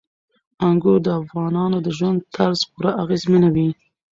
انګور د افغانانو د ژوند طرز پوره اغېزمنوي.